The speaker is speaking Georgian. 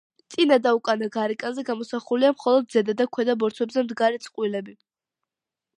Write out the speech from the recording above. წინა და უკანა გარეკანზე გამოსახულია მხოლოდ ზედა და ქვედა ბორცვებზე მდგარი წყვილები.